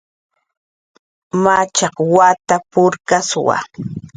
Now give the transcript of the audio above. Machaq wata purkkaswa